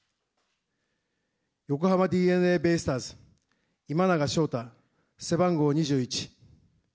横浜ＤｅＮＡベイスターズ、今永昇太、背番号２１。